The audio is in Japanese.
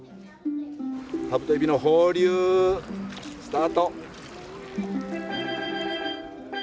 カブトエビの放流スタート。